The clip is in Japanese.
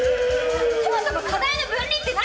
そもそも課題の分離って何？